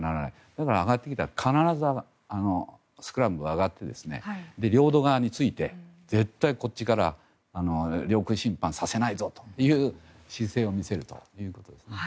だから上がってきたら必ずスクランブルで上がって領土側について絶対こっちから領空侵犯させないぞという姿勢を見せるということですね。